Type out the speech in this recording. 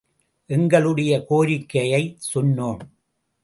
எங்களுடைய கோரிக்கையைச் சொன்னோம்.